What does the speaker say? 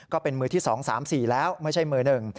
ก็เป็นมือที่๒๓๔แล้วไม่ใช่มือหนึ่ง